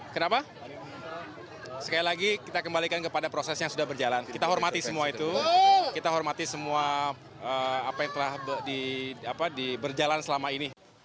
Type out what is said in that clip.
kenapa sekali lagi kita kembalikan kepada proses yang sudah berjalan kita hormati semua itu kita hormati semua apa yang telah berjalan selama ini